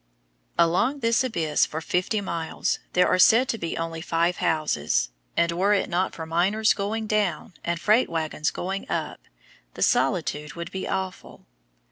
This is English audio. Along this abyss for fifty miles there are said to be only five houses, and were it not for miners going down, and freight wagons going up, the solitude would be awful.